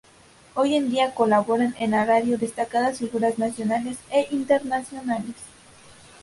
Hoy en día colaboran en la radio destacadas figuras nacionales e internacionales.